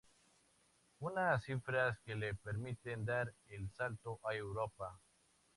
Unas cifras que le permiten dar el salto a Europa.